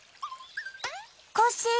コッシー。